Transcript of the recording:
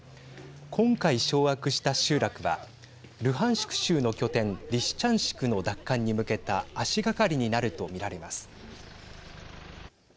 今回、掌握した集落はルハンシク州の拠点リシチャンシクの奪還に向けた足がかりになると見られます。